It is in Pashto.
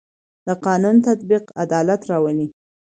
د قانون تطبیق عدالت راولي